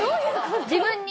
自分に？